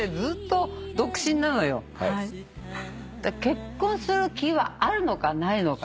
結婚する気はあるのかないのかっていう。